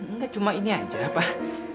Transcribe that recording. enggak cuma ini aja apa